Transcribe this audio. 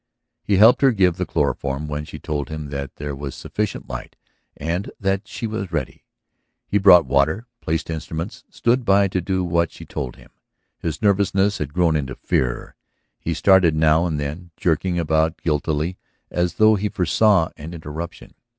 He helped her give the chloroform when she told him that there was sufficient light and that she was ready. He brought water, placed instruments, stood by to do what she told him. His nervousness had grown into fear; he started now and then, jerking about guiltily, as though he foresaw an interruption.